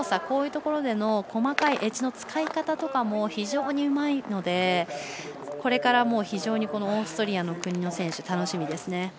こういうところでの細かいエッジの使い方とかも非常にうまいのでこれから、非常にオーストリアの選手楽しみですね。